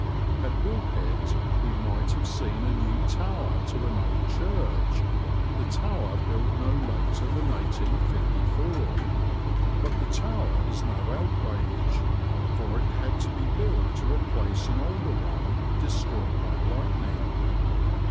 At Woolpit we might have seen a new tower to an old church, the tower built no later than 1854. But the tower is no outrage, for it had to be built to replace an older one destroyed by lightning.